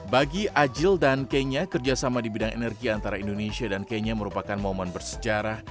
bagi ajil dan kenya kerjasama di bidang energi antara indonesia dan kenya merupakan momen bersejarah